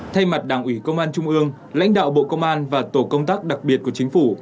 thay mặt đảng ủy công an trung ương lãnh đạo bộ công an và tổ công tác đặc biệt của chính phủ